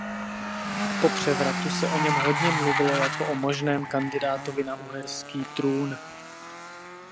Po převratu se o něm hodně mluvilo jako o možném kandidátovi na uherský trůn.